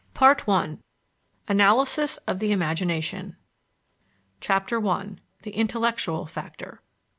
PART ONE ANALYSIS OF THE IMAGINATION CHAPTER I THE INTELLECTUAL FACTOR.